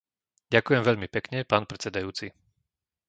Ďakujem veľmi pekne, pán predsedajúci.